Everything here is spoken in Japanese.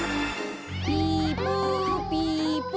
ピポピポ。